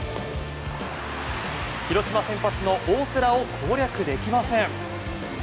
広島先発の大瀬良を攻略できません。